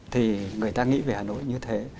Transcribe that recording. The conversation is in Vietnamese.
thì người ta nghĩ về hà nội như thế